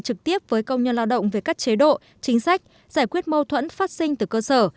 trực tiếp với công nhân lao động về các chế độ chính sách giải quyết mâu thuẫn phát sinh từ cơ sở